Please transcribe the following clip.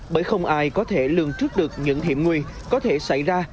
bởi không ai có thể lường trước được những hiểm nguy có thể xảy ra